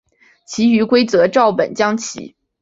其余规则照本将棋。